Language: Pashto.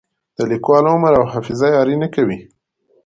د لیکوال عمر او حافظه یاري نه کوي.